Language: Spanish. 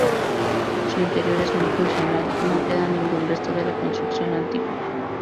Su interior es muy funcional, no queda ningún resto de la construcción antigua.